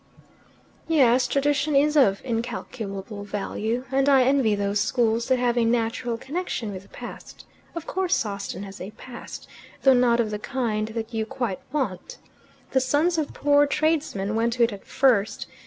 "Yes. Tradition is of incalculable value. And I envy those schools that have a natural connection with the past. Of course Sawston has a past, though not of the kind that you quite want. The sons of poor tradesmen went to it at first.